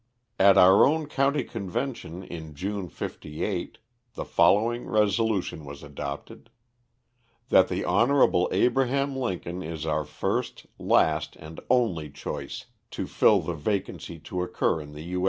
At our own county convention in June '58, the following resolution was adopted: "That the Hon. Abraham Lincoln is our first, last and only choice to fill the vacancy to occur in the U.